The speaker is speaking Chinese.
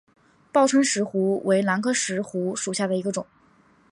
报春石斛为兰科石斛属下的一个种。